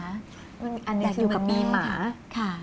อันนี้คือมันมีหมา